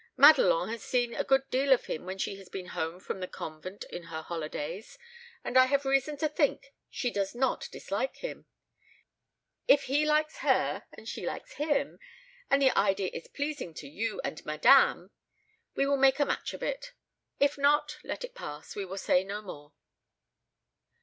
Madelon has seen a good deal of him when she has been home from the convent in her holidays, and I have reason to think she does not dislike him. If he likes her and she likes him, and the idea is pleasing to you and madame, we will make a match of it. If not, let it pass; we will say no more."